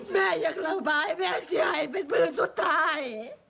แม่อยากระบายแม่เสียหายเป็นมือสุดท้าย